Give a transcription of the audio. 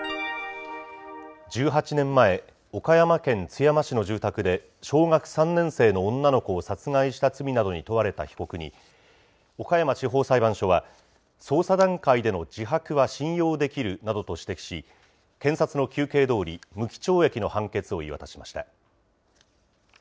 １８年前、岡山県津山市の住宅で小学３年生の女の子を殺害した罪などに問われた被告に、岡山地方裁判所は、捜査段階での自白は信用できるなどと指摘し、検察の求刑どおり、無期懲役の判決を言い渡しました。